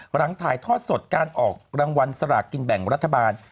หลังถ่ายทอดสดการออกรางวัลสลากกินแบ่งรัฐบาล